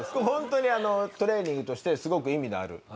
本当にトレーニングとしてすごく意味のある。